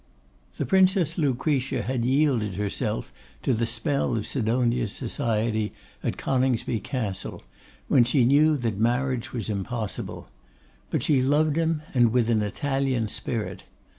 The Princess Lucretia had yielded herself to the spell of Sidonia's society at Coningsby Castle, when she knew that marriage was impossible. But she loved him; and with an Italian spirit.